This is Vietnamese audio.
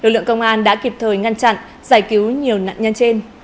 lực lượng công an đã kịp thời ngăn chặn giải cứu nhiều nạn nhân trên